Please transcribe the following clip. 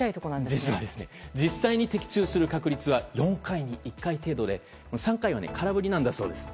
実は、実際に的中する確率は４回に１回程度で３回は空振りなんだそうです。